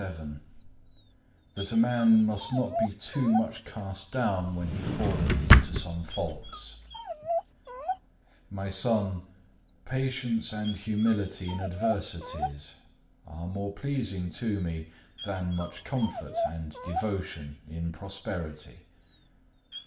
CHAPTER LVII That a man must not be too much cast down when he falleth into some faults "My Son, patience and humility in adversities are more pleasing to Me than much comfort and devotion in prosperity.